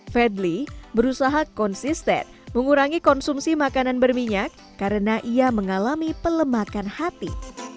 fedly berusaha konsisten mengurangi konsumsi makanan berminyak karena ia mengalami pelemakan hati